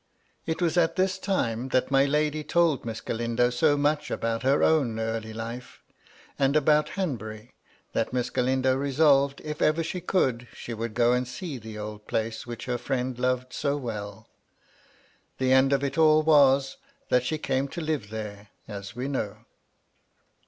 It was at this time that my lady told Miss Galindo so much about her own early life, and about Hanbury, that Miss Galindo resolved, if ever she could, she would go and see the old place MY LADY LUDLOW. 299 which her firiend loved so well. The end of it all was, that she came to live there, as we know.